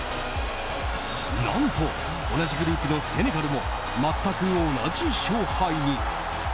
何と、同じグループのセネガルも全く同じ勝敗に。